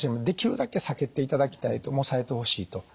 できるだけ避けていただきたいと抑えてほしいと。